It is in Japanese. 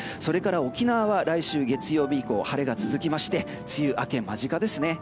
沖縄は来週月曜日以降晴れが続きまして梅雨明け間近ですね。